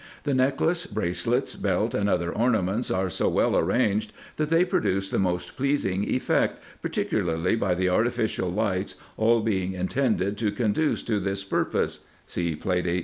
The necklace, bracelets, belt, and other ornaments, are so well arranged, that they produce the most pleasing effect, particularly by the artificial lights, all being intended to conduce to this purpose (See Plate 18).